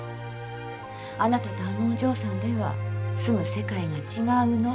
あなたとあのお嬢さんでは住む世界が違うの。